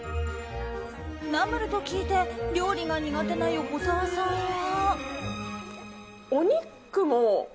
ナムルと聞いて料理が苦手な横澤さんは。